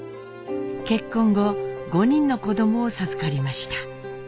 結婚後５人の子どもを授かりました。